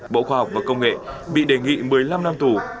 bộ khoa học và công nghệ bị đề nghị một mươi năm năm tù